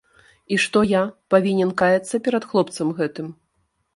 І што я, павінен каяцца перад хлопцам гэтым?